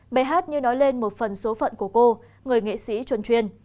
bài hát như nói lên một phần số phận của cô người nghệ sĩ chuân truyền